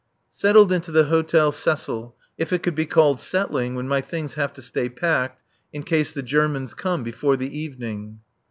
Settled into the Hôtel Cecil; if it could be called settling when my things have to stay packed, in case the Germans come before the evening.